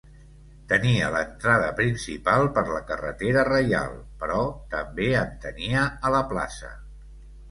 Tenia l'entrada principal per la carretera reial, però també en tenia a la plaça.